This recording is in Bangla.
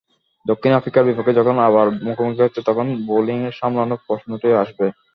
দক্ষিণ আফ্রিকার বিপক্ষে যখন আবার মুখোমুখি হচ্ছে তখন তাদের বোলিং সামলানোর প্রশ্নটি আসবেই।